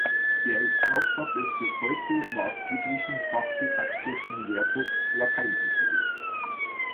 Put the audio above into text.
Er ist Autor des bis heute maßgeblichen fachdidaktischen Lehrbuchs „Lateinunterricht.